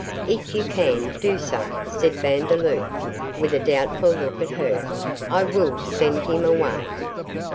'If you can, do so,' said Vandeloup, with a doubtful look at her. 'I will send him away.